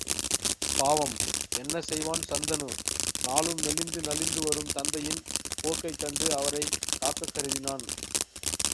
பாவம் என்ன செய்வான் சந்தனு நாளும் மெலிந்து நலிந்து வரும் தந்தையின் போக்கைக் கண்டு அவரைக் காக்கக் கருதினான்.